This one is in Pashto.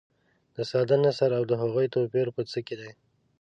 د ساده نثر او هغوي توپیر په څه کې دي.